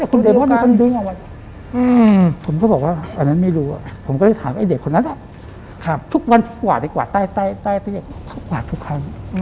แต่คุณเดมอนเป็นคนดึง